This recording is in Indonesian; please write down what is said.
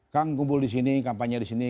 kang kumpul disini kampanye disini